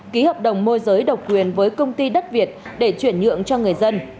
ký hợp đồng môi giới độc quyền với công ty đất việt để chuyển nhượng cho người dân